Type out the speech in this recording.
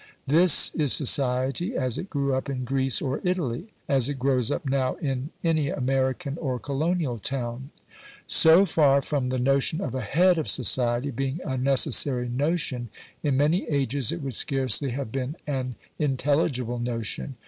This is society as it grew up in Greece or Italy, as it grows up now in any American or colonial town. So far from the notion of a "head of society" being a necessary notion, in many ages it would scarcely have been an intelligible notion.